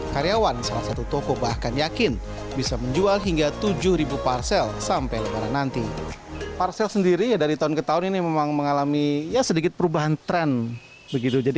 karyawan salah satu toko bahkan yakin bisa menjual hingga tujuh parsel sampai lebaran nanti